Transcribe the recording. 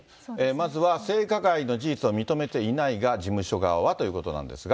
まずは性加害の事実を認めていないが、事務所側はということなんですが。